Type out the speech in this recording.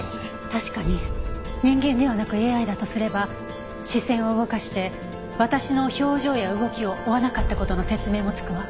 確かに人間ではなくＡＩだとすれば視線を動かして私の表情や動きを追わなかった事の説明もつくわ。